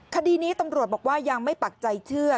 คดีนี้ตำรวจบอกว่ายังไม่ปักใจเชื่อ